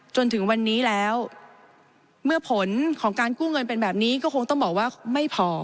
จนถึงวันนี้แล้วเมื่อผลของการกู้เงินเป็นแบบนี้ก็คงต้องบอกว่าไม่พอ